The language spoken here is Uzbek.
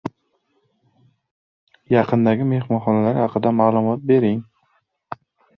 O‘g‘lingiz o‘zi qila oladigan ishni hech ham uning o‘rniga qilmang.